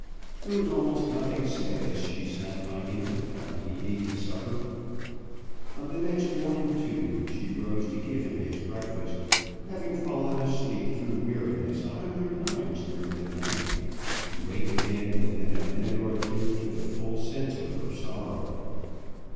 There was almost nothing said as she sat by him while he ate his supper. On the next morning, too, she rose to give him his breakfast, having fallen asleep through weariness a hundred times during the night, to wake again within a minute or two to the full sense of her sorrow.